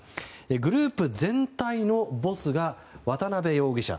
グループ全体のボスが渡邉容疑者。